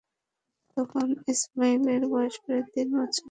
তখন ইসমাঈল-এর বয়স প্রায় তিন বছর।